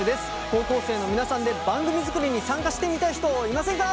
高校生の皆さんで番組作りに参加してみたい人いませんか？